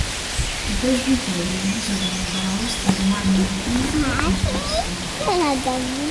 Il presbiterio è diviso da una balaustra di marmo dipinto e intarsiato.